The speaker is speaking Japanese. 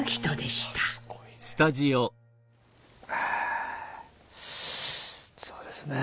ああそうですねぇ。